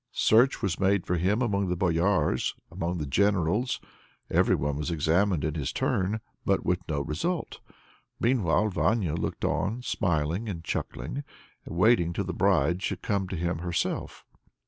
Search was made for him among the boyars, among the generals; everyone was examined in his turn but with no result! Meanwhile, Vanya looked on, smiling and chuckling, and waiting till the bride should come to him herself.